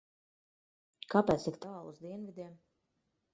Kāpēc tik tālu uz dienvidiem?